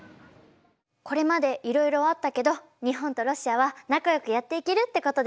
これまでいろいろあったけど日本とロシアは仲良くやっていけるってことですね。